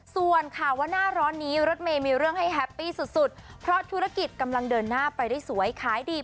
ส่วนข่าวว่าหน้าร้อนนี้รถเมย์มีเรื่องให้แฮปปี้สุดเพราะธุรกิจกำลังเดินหน้าไปได้สวยขายดี